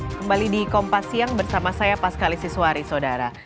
kembali di kompas siang bersama saya pas kali siswari saudara